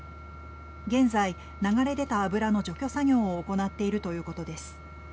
現在、流れ出た油の除去作業を行っているということです。